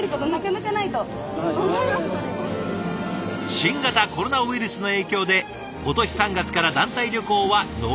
新型コロナウイルスの影響で今年３月から団体旅行は軒並み中止。